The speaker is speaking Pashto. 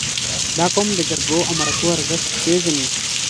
• دا قوم د جرګو او مرکو ارزښت پېژني.